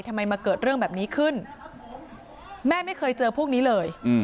ทำไมมาเกิดเรื่องแบบนี้ขึ้นแม่ไม่เคยเจอพวกนี้เลย